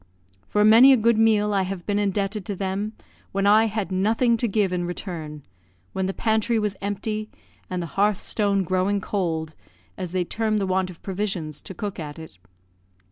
For many a good meal I have been indebted to them, when I had nothing to give in return, when the pantry was empty, and "the hearthstone growing cold," as they term the want of provisions to cook at it.